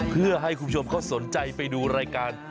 เพื่อให้คุณผู้ชมเขาสนใจไปดูรายการ